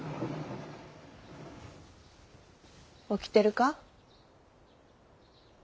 起きてるか？